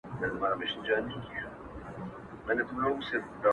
د شرابو په محفل کي مُلا هم په گډا – گډ سو ـ